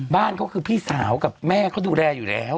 บ้านเขาคือพี่สาวกับแม่เขาดูแลอยู่แล้ว